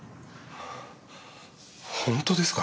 本当ですか？